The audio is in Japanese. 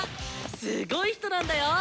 すごい人なんだよ！